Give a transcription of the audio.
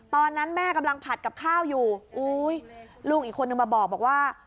ตอนนั้นแม่กำลังผัดกับข้าวอยู่อุ้ยลูกอีกคนนึงมาบอกว่า